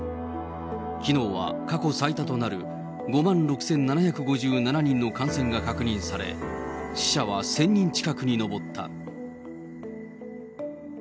きのうは過去最多となる５万６７５７人の感染が確認され、死者は１０００人近くに上った。